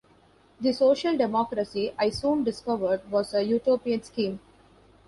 The Social Democracy, I soon discovered, was a utopian scheme.